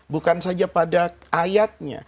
bukan saja pada ayatnya